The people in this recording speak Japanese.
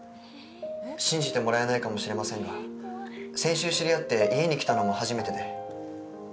信じてもらえないかもしれませんが先週知り合って家に来たのも初めてで。